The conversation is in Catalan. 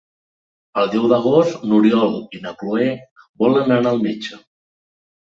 El deu d'agost n'Oriol i na Cloè volen anar al metge.